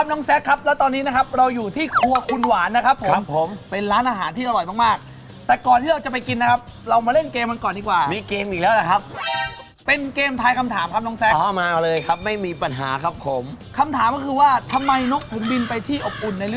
น้องแซ็คน้องแซ็คน้องแซ็คน้องแซ็คน้องแซ็คน้องแซ็คน้องแซ็คน้องแซ็คน้องแซ็คน้องแซ็คน้องแซ็คน้องแซ็คน้องแซ็คน้องแซ็คน้องแซ็คน้องแซ็คน้องแซ็คน้องแซ็คน้องแซ็คน้องแซ็คน้องแซ็คน้องแซ็คน้องแซ็คน้องแซ็คน้องแซ็คน้องแซ็คน้องแซ็คน้องแซ